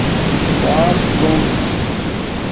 ژاݽ لوم